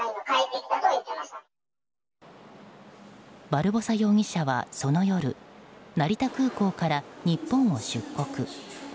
バルボサ容疑者はその夜成田空港から日本を出国。